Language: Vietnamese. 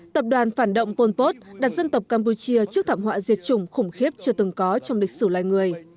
tập đoàn phản động pol pot đặt dân tộc campuchia trước thảm họa diệt chủng khủng khiếp chưa từng có trong lịch sử loài người